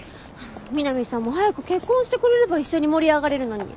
みなみさんも早く結婚してくれれば一緒に盛り上がれるのに。